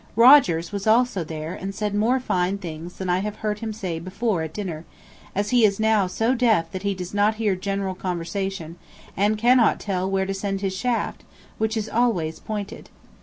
Rogers was also there and said more fine things than I have heard him say before at dinner, as he is now so deaf that he does not hear general conversation, and cannot tell where to send his shaft, which is always pointed.